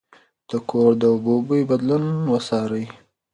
د کور د اوبو بوی بدلون وڅارئ.